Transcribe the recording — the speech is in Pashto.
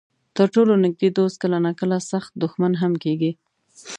تر ټولو نږدې دوست کله ناکله سخت دښمن هم کېږي.